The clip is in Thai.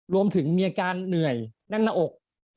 รวมถึงมีอาการเหนื่อยแน่นอนอก